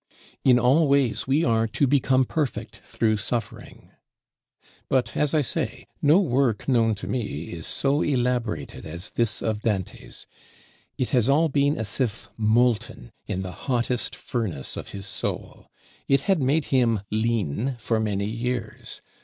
In all ways we are "to become perfect through suffering." But as I say, no work known to me is so elaborated as this of Dante's. It has all been as if molten, in the hottest furnace of his soul. It had made him "lean" for many years.